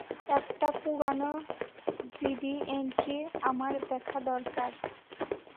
একটা পুরানো GD entry আমার দেখা দরকার।